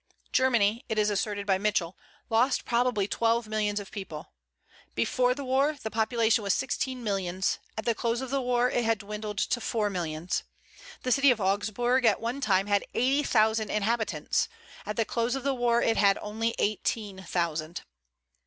Germany, it is asserted by Mitchell, lost probably twelve millions of people. Before the war, the population was sixteen millions; at the close of the war, it had dwindled to four millions. The city of Augsburg at one time had eighty thousand inhabitants; at the close of the war, it had only eighteen thousand.